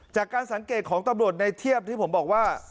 จากการสังเกตของตำรวจในเทียบที่ผมบอกว่า